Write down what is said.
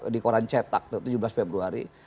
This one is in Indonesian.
di koran cetak tujuh belas februari